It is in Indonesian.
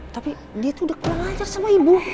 tapi dia tuh udah kebelajar sama ibu